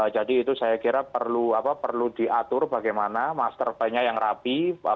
jadi itu saya kira perlu diatur bagaimana master plan nya yang rapi